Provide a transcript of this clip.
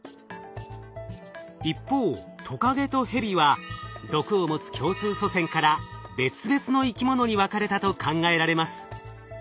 一方トカゲとヘビは毒を持つ共通祖先から別々の生き物に分かれたと考えられます。